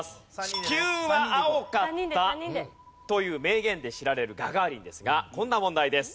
「地球は青かった」という名言で知られるガガーリンですがこんな問題です。